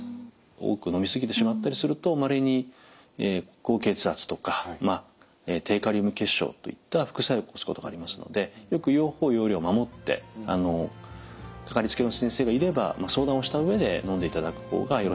多くのみすぎてしまったりするとまれに高血圧とか低カリウム血症といった副作用を起こすことがありますのでよく用法用量を守ってかかりつけの先生がいれば相談をした上でのんでいただく方がよろしいかなと思います。